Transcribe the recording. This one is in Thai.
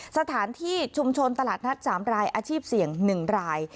สถานที่ชุมชนตลาดนัด๓รายอาชีพเสี่ยง๑ราย